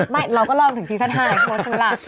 ไม่เราก็รอบถึงซีซั่น๕เขาบอกอย่างนั้นแหละ